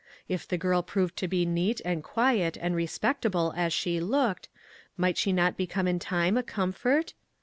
If the girl proved to be neat and quiet and respectable as she looked, might she not become in time a comfort?